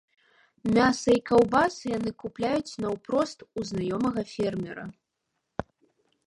Мяса і каўбасы яны купляюць наўпрост у знаёмага фермера.